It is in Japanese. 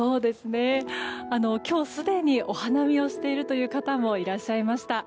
今日すでにお花見をしているという方もいらっしゃいました。